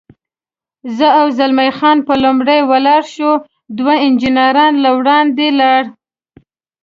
زه او زلمی خان به لومړی ولاړ شو، دوه انجنیران له وړاندې لا.